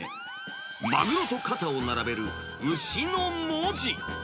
マグロと肩を並べる牛の文字。